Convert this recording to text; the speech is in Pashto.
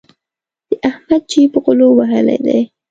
د احمد جېب غلو وهلی دی.